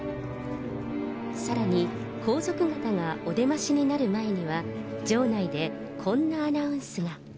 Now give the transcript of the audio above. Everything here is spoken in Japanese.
さらに、皇族方がお出ましになる前には、場内でこんなアナウンスが。